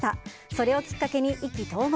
それをきっかけに意気投合。